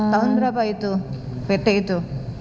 tahun berapa itu pt itu